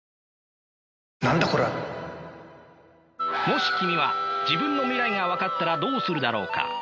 もし君は自分の未来が分かったらどうするだろうか？